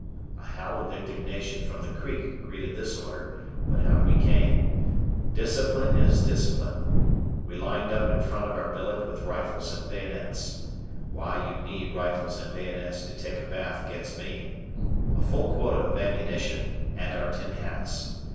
A howl of indignation from the creek greeted this order, but out we came. Discipline is discipline. We lined up in front of our billet with rifles and bayonets (why you need rifles and bayonets to take a bath gets me), a full quota of ammunition, and our tin hats.